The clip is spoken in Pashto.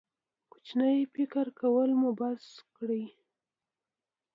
کوچنی فکر کول مو بس کړئ.